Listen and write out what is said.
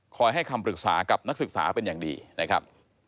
ให้คำปรึกษากับนักศึกษาเป็นอย่างดีนะครับ